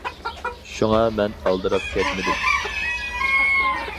شۇڭا، مەن ئالدىراپ كەتمىدىم.